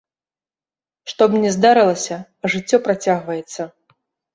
Што б ні здарылася, а жыццё працягваецца.